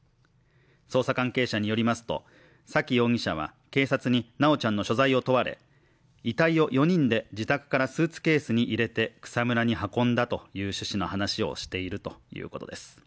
捜査関係者によりますと、沙喜容疑者は警察に修ちゃんの所在を問われ、遺体を４人で自宅からスーツケースに入れて草むらに運んだという趣旨の話をしているということです。